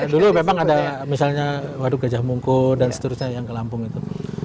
dulu memang ada misalnya waduk gajah mungku dan seterusnya yang ke lampung itu